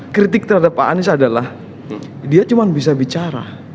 kritik terhadap pak anies adalah dia cuma bisa bicara